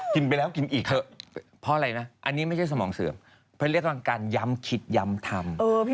กินไปแล้วกินอีกเถอะเพราะอะไรนะอันนี้ไม่ใช่สมองเสื่อมเพราะเรียกกำลังการย้ำคิดย้ำทำ